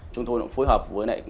chúng tôi cũng phối hợp với công ty